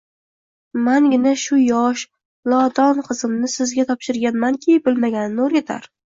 Mangina shu yosh, lodon qizimni sizga topshirganmanki, bilmaganini oʼrgatar